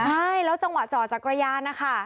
ใช่แล้วจังหวะจอดจักรยานนะคะ